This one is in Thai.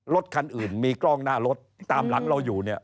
รถคันอื่นมีกล้องหน้ารถตามหลังเราอยู่เนี่ย